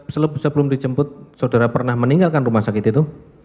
sebelum dijemput saudara pernah meninggalkan rumah sakit itu